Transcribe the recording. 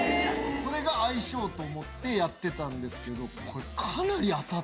それが相性と思ってやってたんですけど。